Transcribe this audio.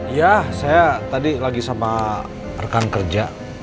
ya saya tadi lagi sama rekan kerja